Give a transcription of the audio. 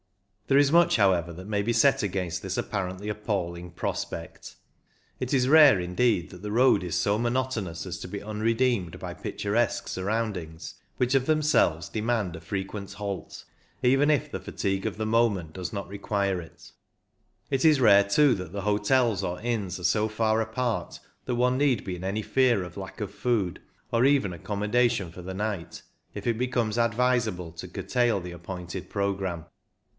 There is much, however, that may be 214 CYCUNG IN THE ALPS set against this apparently appalling pros pect. It is rare, indeed, that the road is so monotonous as to be unredeemed by picturesque surroundings which of them selves demand a frequent halt, even if the fatigue of the moment does not require it It is rare, too, that the hotels or inns are so far apart that one need be in any fear of lack of food, or even accommodation for the night, if it becomes advisable to curtail the appointed programme.